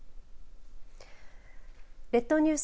列島ニュース